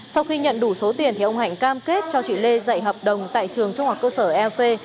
sau khi nhận đủ số tiền thì ông hạnh cam kết cho chị lê dạy hợp đồng tại trường trung học cơ sở ep